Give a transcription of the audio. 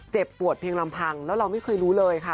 เจ็บปวดเพียงลำพังแล้วเราไม่เคยรู้เลยค่ะ